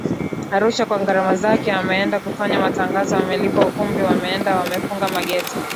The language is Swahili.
Arusha kwa gharama zake ameenda kufanya matangazo amelipa ukumbi wameenda wamefunga mageti